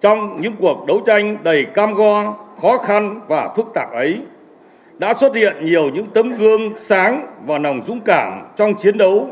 trong những cuộc đấu tranh đầy cam go khó khăn và phức tạp ấy đã xuất hiện nhiều những tấm gương sáng và nồng dũng cảm trong chiến đấu